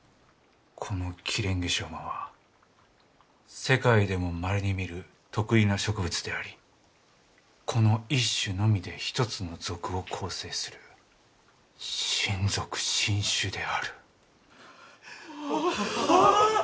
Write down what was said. このキレンゲショウマは世界でもまれに見る特異な植物でありこの一種のみで一つの属を構成する新属新種である。